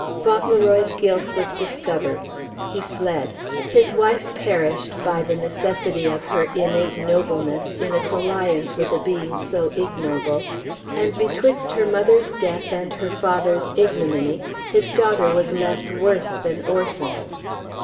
Fauntleroy's guilt was discovered. He fled; his wife perished, by the necessity of her innate nobleness, in its alliance with a being so ignoble; and betwixt her mother's death and her father's ignominy, his daughter was left worse than orphaned.